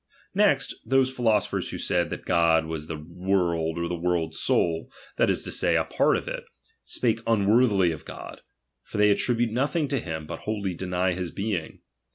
Next, those philosophers who said, that God was the world or the world's soul, that is to say, a part of it, spake unworthily of God ; for they attribute nothing to him, but wholly deny his being.